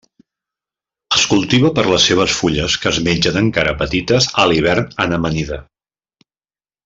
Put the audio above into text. Es cultiva per les seves fulles que es mengen encara petites a l'hivern en amanida.